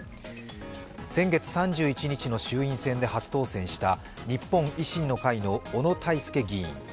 先月３１日の衆院選で初当選した日本維新の会の小野泰輔議員。